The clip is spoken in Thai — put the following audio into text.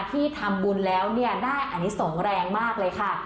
ที่ทำบุญแล้วเนี่ยได้อันนี้ส่งแรงมากเลยค่ะ